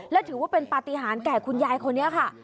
และถือว่าเป็นปฏิหารแก่คุณยายคนนี้ค่ะ